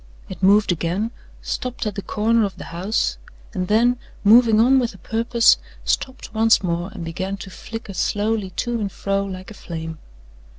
It moved again, stopped at the corner of the house, and then, moving on with a purpose, stopped once more and began to flicker slowly to and fro like a flame.